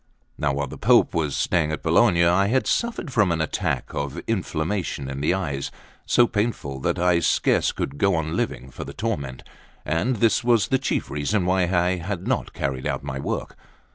Now, while the Pope was staying at Bologna, I had suffered from an attack of inflammation in the eyes, so painful that I scarce could go on living for the torment; and this was the chief reason why I had not carried out my work.